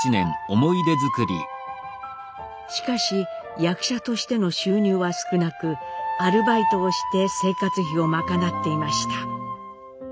しかし役者としての収入は少なくアルバイトをして生活費を賄っていました。